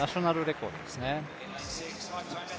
ナショナルレコードですね。